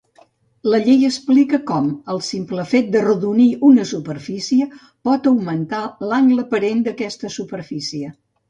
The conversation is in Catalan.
La llei explica com, el simple fet d'arrodonir una superfície, por augmentar l'angle aparent d'aquesta superfície.